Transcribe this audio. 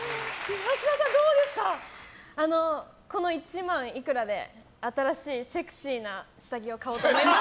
この１万いくらで新しいセクシーな下着を買おうと思います。